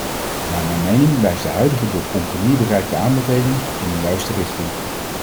Naar mijn mening wijst de huidige door compromis bereikte aanbeveling in een juiste richting.